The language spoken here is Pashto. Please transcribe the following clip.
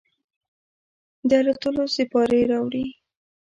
د الوتلوسیپارې راوړي